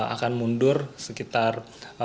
akan mundur sekitar